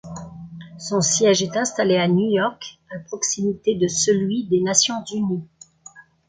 Son siège est installé à New York, à proximité de celui des Nations unies.